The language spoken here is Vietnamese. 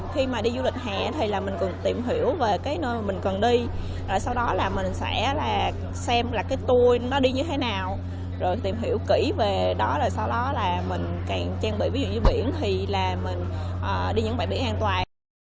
khi mà đi du lịch hè thì là mình cần tìm hiểu về cái nơi mà mình cần đi sau đó là mình sẽ là xem là cái tour nó đi như thế nào rồi tìm hiểu kỹ về đó rồi sau đó là mình càng trang bị ví dụ như biển thì là mình đi những bãi biển an toàn